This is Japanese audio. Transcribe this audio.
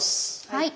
はい。